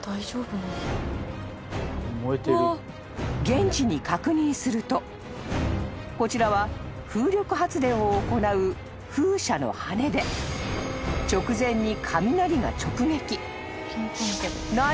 ［現地に確認するとこちらは風力発電を行う風車の羽根で直前に］